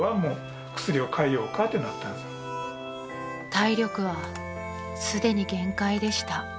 ［体力はすでに限界でした］